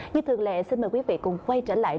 như thường lệ xin mời quý vị cùng quay trở lại